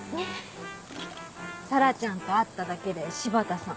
紗良ちゃんと会っただけで柴田さん